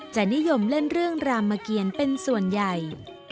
จะนิยมเล่นเรื่องรามเกียรเป็นส่วนใหญ่